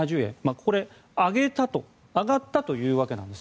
これ上がったというわけです。